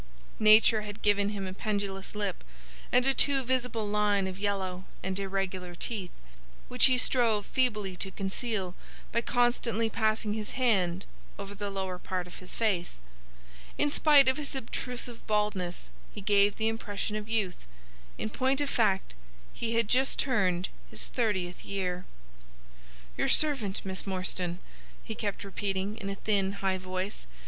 Nature had given him a pendulous lip, and a too visible line of yellow and irregular teeth, which he strove feebly to conceal by constantly passing his hand over the lower part of his face. In spite of his obtrusive baldness, he gave the impression of youth. In point of fact he had just turned his thirtieth year. "Your servant, Miss Morstan," he kept repeating, in a thin, high voice.